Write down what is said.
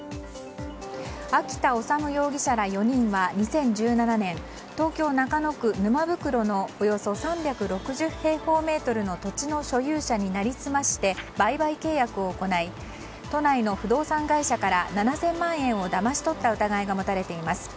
秋田修容疑者ら４人は２０１７年東京・中野区沼袋のおよそ３６０平方メートルの土地の所有者に成り済まして売買契約を行い都内の不動産会社から７０００万円をだまし取った疑いが持たれています。